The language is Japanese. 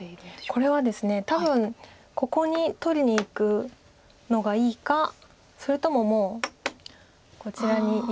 これはですね多分ここに取りにいくのがいいかそれとももうこちらにいくのがいいかの２択